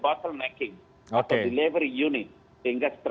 untuk bisa melihat apa yang menjadi keinginan daripada bapak presiden